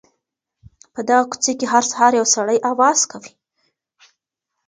په دغه کوڅې کي هر سهار یو سړی اواز کوي.